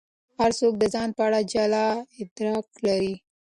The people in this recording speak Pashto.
هر څوک د ځان په اړه جلا ادراک لري.